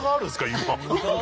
今。